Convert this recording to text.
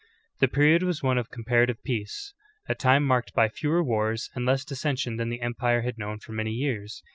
3. The period was one of comparative peace, — a time marked by fewer wars and less dissension than the empire had known for many years.